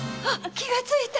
気がついた！